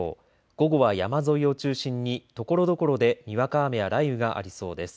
午後は山沿いを中心にところところでにわか雨や雷雨がありそうです。